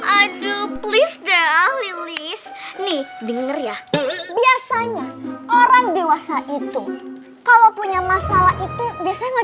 aduh please dah lilih nih denger ya biasanya orang dewasa itu kalau punya masalah itu bisa